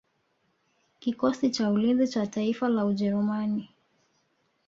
Kikosi cha ulinzi cha taifa la Ujerumani